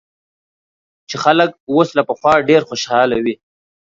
چې خلک اوس له پخوا ډېر خوشاله وي